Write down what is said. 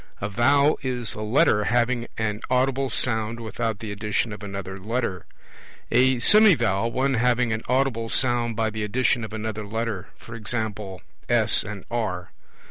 A vowel is a Letter having an audible sound without the addition of another Letter. A semivowel, one having an audible sound by the addition of another Letter; e.g. S and R.